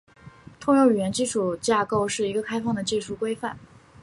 通用语言基础架构是一个开放的技术规范。